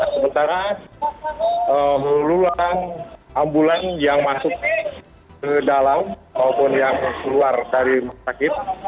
sementara luluran ambulan yang masuk ke dalam maupun yang keluar dari rumah sakit